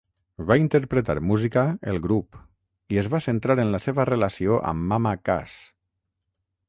Va interpretar música el grup i es va centrar en la seva relació amb Mama Cass.